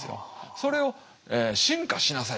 それを「進化しなさい。